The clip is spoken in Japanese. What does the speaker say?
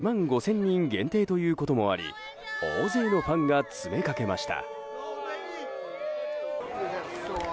先着２万５０００人限定ということもあり大勢のファンが詰めかけました。